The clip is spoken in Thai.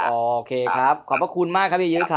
ได้ครับอ๋อโอเคครับความขอบคุณมากครับอย่างเยอะครับ